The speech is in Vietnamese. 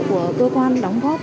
của cơ quan đóng góp